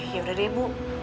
yaudah deh ibu